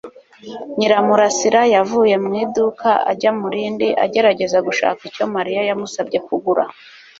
Nyiramurasira yavuye mu iduka ajya mu rindi agerageza gushaka icyo Mariya yamusabye kugura.